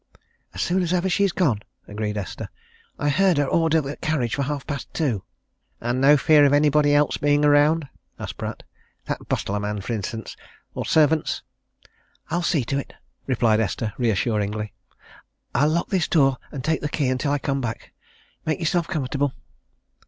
"As soon as ever she's gone," agreed Esther. "I heard her order the carriage for half past two." "And no fear of anybody else being about?" asked Pratt. "That butler man, for instance? Or servants?" "I'll see to it," replied Esther reassuringly. "I'll lock this door and take the key until I come back make yourself comfortable."